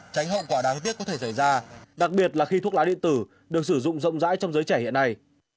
tránh hậu quả đáng tiếc có thể xảy ra đặc biệt là khi thuốc lá điện tử được sử dụng rộng rãi trong giới trẻ hiện nay